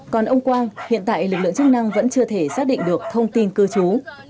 còn ông quang hiện tại lực lượng chức năng vẫn chưa thể xác định được thông tin cư trú